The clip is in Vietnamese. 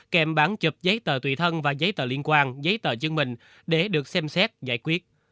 kèm bản chập giấy tờ tùy thân và giấy tờ liên quan giấy tờ chứng minh để được xem xét giải quyết